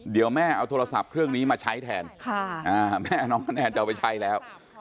เดี๋ยวแม่เอาโทรศัพท์เครื่องนี้มาใช้แทนแม่น้องแอนจะเอาไปใช้แล้ว